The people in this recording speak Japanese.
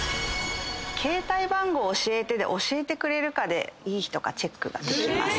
「携帯番号教えて」で教えてくれるかでいい人かチェックができます。